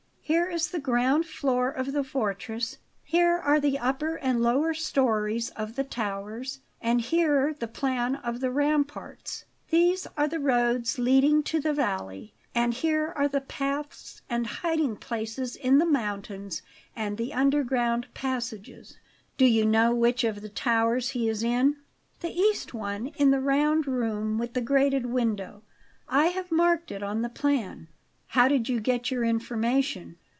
Here is the ground floor of the fortress; here are the upper and lower stories of the towers, and here the plan of the ramparts. These are the roads leading to the valley, and here are the paths and hiding places in the mountains, and the underground passages." "Do you know which of the towers he is in?" "The east one, in the round room with the grated window. I have marked it on the plan." "How did you get your information?"